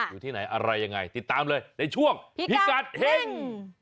อยู่ที่ไหนอะไรยังไงติดตามเลยในช่วงพิกัดเฮ่ง